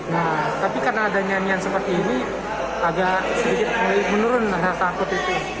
nah tapi karena ada nyanyian seperti ini agak sedikit menurun rasa takut itu